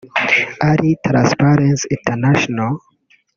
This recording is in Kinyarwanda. ari Transparency International